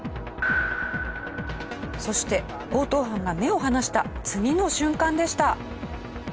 そして強盗犯が目を離した次の瞬間でした。